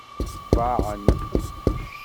Ḍaɛent.